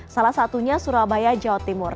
salah satunya surabaya jawa timur